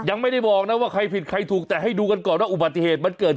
ยังไม่ได้บอกนะว่าใครผิดใครถูกแต่ให้ดูกันก่อนว่าอุบัติเหตุมันเกิด